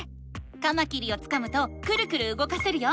カマキリをつかむとクルクルうごかせるよ。